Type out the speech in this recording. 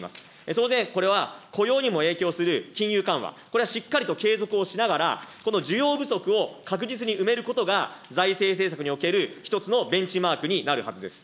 当然、これは雇用にも影響する金融緩和、これはしっかりと継続をしながら、この需要不足を確実に埋めることが財政政策における１つのベンチマークになるはずです。